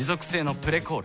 「プレコール」